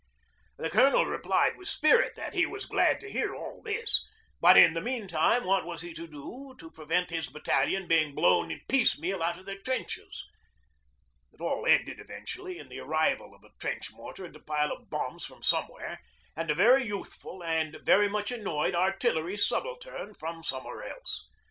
The Colonel replied with spirit that he was glad to hear all this, but in the meantime what was he to do to prevent his battalion being blown piecemeal out of their trenches? It all ended eventually in the arrival of a trench mortar and a pile of bombs from somewhere and a very youthful and very much annoyed Artillery subaltern from somewhere else.